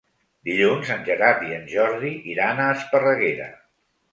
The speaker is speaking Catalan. Dilluns en Gerard i en Jordi iran a Esparreguera.